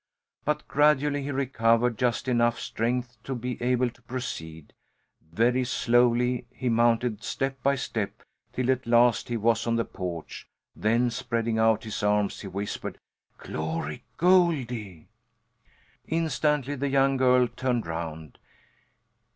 But gradually he recovered just enough strength to be able to proceed. Very slowly he mounted step by step till at last he was on the porch. Then, spreading out his arms, he whispered: "Glory Goldie!" Instantly the young girl turned round.